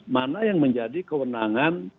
mana yang menjadi kewenangan